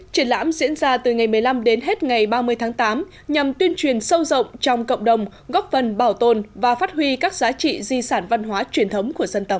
triển lãm diễn ra từ ngày một mươi năm đến hết ngày ba mươi tháng tám nhằm tuyên truyền sâu rộng trong cộng đồng góp vần bảo tồn và phát huy các giá trị di sản văn hóa truyền thống của dân tộc